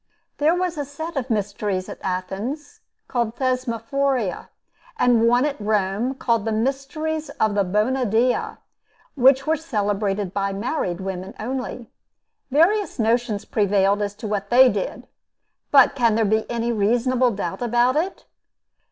There was a set of mysteries at Athens, called Thesmophoria, and one at Rome, called the mysteries of the Bona Dea, which were celebrated by married women only. Various notions prevailed as to what they did. But can there be any reasonable doubt about it?